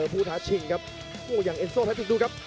ผู้ทาชิงครับพยายามเอ็นโซแท็กต์ดูครับ